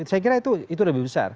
saya kira itu lebih besar